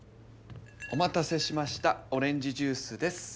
おまたせしましたオレンジジュースです。